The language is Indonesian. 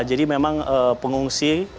jadi memang pengungsi